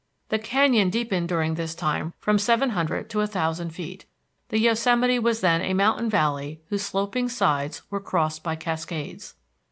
The canyon deepened during this time from seven hundred to a thousand feet. The Yosemite was then a mountain valley whose sloping sides were crossed by cascades.